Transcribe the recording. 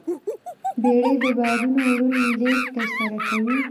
بیړۍ د بارونو لوی لېږد ترسره کوي.